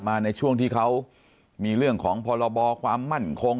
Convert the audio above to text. ในช่วงที่เขามีเรื่องของพรบความมั่นคง